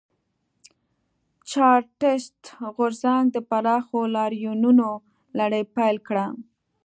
چارټېست غورځنګ د پراخو لاریونونو لړۍ پیل کړه.